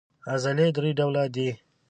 عضلې درې ډوله دي.